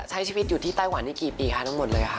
ใช้ชีวิตอยู่ที่ไต้หวันนี่กี่ปีคะทั้งหมดเลยค่ะ